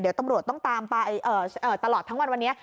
เดี๋ยวตำรวจต้องตามไปตลอดทั้งวันวันนี้